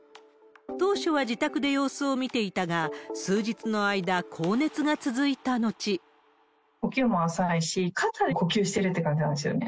当初は自宅で様子を見ていたが、数日の間、呼吸も浅いし、肩で呼吸してるという感じなんですよね。